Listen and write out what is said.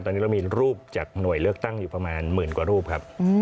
ตอนนี้เรามีรูปจากหน่วยเลือกตั้งอยู่ประมาณหมื่นกว่ารูปครับ